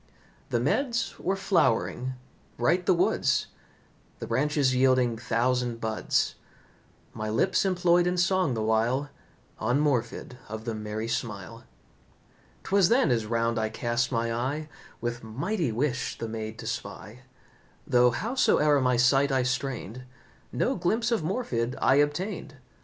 The meads were flowering, bright the woods, The branches yielding thousand buds. My lips employed in song the while On Morfydd of the merry smile. 'Twas then as round I cast my eye With mighty wish the maid to spy; Though, howsoe'er my sight I strained, No glimpse of Morfydd I obtained.